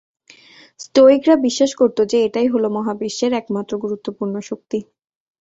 স্টোয়িকরা বিশ্বাস করত যে, এটাই হল মহাবিশ্বের একমাত্র গুরুত্বপূর্ণ শক্তি।